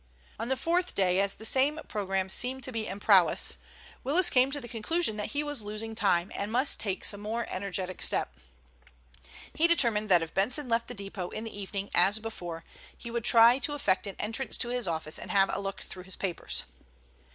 On the fourth day, as the same program seemed to be in prowess, Willis came to the conclusion that he was losing time and must take some more energetic step. He determined that if Benson left the depot in the evening as before, he would try to effect an entrance to his office and have a look through his papers.